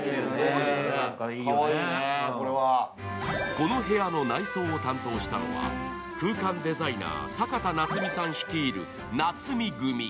この部屋の内装を担当したのは空間デザイナー、坂田夏水さん率いる夏水組。